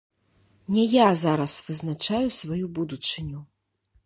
Не я зараз вызначаю сваю будучыню.